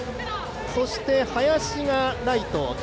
そして林がライト、１０点。